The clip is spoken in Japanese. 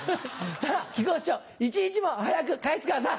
さぁ木久扇師匠一日も早く帰って来てください。